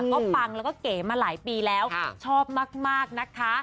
ก็ปังแล้วก็เก๋มาหลายปีแล้วชอบมากนะคะ